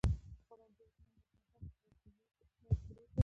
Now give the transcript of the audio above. پابندي غرونه د افغانستان په ستراتیژیک اهمیت کې رول لري.